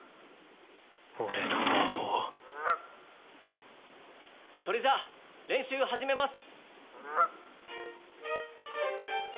俺のアホそれじゃあ練習始めます。